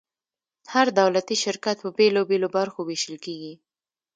هر دولتي شرکت په بیلو بیلو برخو ویشل کیږي.